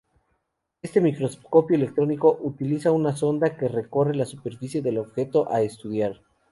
Este microscopio electrónico utiliza una sonda que recorre la superficie del objeto a estudiar.